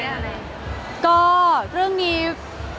คือบอกเลยว่าเป็นครั้งแรกในชีวิตจิ๊บนะ